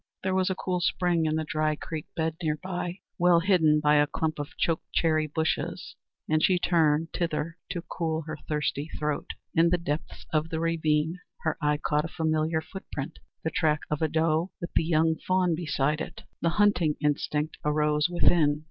There was a cool spring in the dry creek bed near by, well hidden by a clump of choke cherry bushes, and she turned thither to cool her thirsty throat. In the depths of the ravine her eye caught a familiar footprint the track of a doe with the young fawn beside it. The hunting instinct arose within.